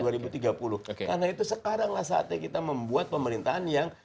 karena itu sekarang lah saatnya kita membuat pemerintahan yang